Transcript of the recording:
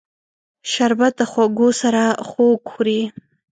شربت د خوږو سره خوږ خوري